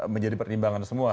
menjadi pertimbangan semua